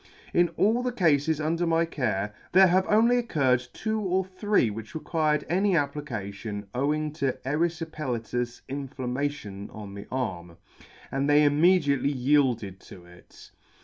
In all the Cafes under mv care, there have only occurred two or three which required any application owing to eryfipelatous inflam mation on the arm, and they immediately yielded to it.